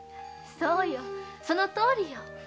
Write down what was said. そうよそのとおりよ。